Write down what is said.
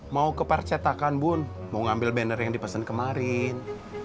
mau ke percetakan bun mau ngambil banner yang dipesan kemarin